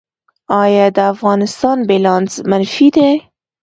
آیا د افغانستان بیلانس منفي دی؟